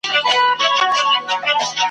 لکه چي بیا یې تیاره په خوا ده ,